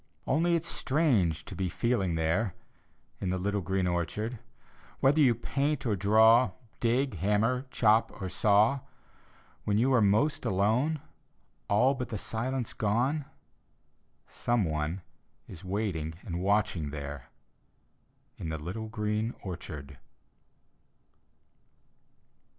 Only it's strange to be feeling diere, In the little green orchard ; Whether you paint or draw. Dig, hammer, chop or saw, D,gt,, erihyGOOgle The Haunted Hour When you are most alone, All but the silence gone ... one is waiting and watching there, In the little green orchard.